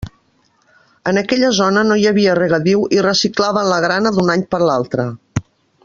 En aquella zona no hi havia regadiu i reciclaven la grana d'un any per a l'altre.